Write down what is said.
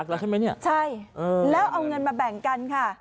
แล้งแล้วเอาเงินมาแบ่งกันค่ะ